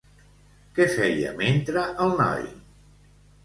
Què feia mentre el noi?